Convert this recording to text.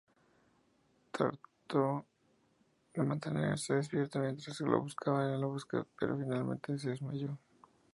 Trató de mantenerse despierto mientras lo buscaban en el bosque, pero finalmente, se desmayó.